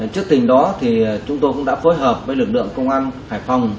trước tình đó chúng tôi cũng đã phối hợp với lực lượng công an hải phòng